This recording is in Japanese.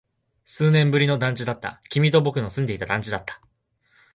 数年ぶりの団地だった。君と僕の住んでいた団地だった。